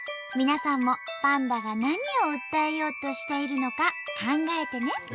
皆さんもパンダが何を訴えようとしているのか考えてね。